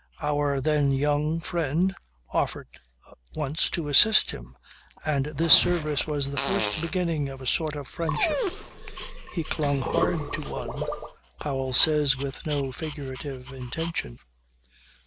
Our, then young, friend offered once to assist him and this service was the first beginning of a sort of friendship. He clung hard to one Powell says, with no figurative intention.